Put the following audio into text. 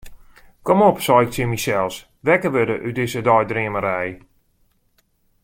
Kom op, sei ik tsjin mysels, wekker wurde út dizze deidreamerij.